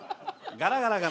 ガラガラガラ。